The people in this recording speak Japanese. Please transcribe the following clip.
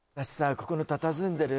ここのたたずんでる